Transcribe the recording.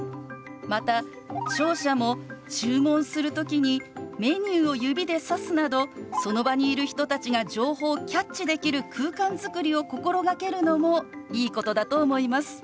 また聴者も注文する時にメニューを指でさすなどその場にいる人たちが情報をキャッチできる空間作りを心がけるのもいいことだと思います。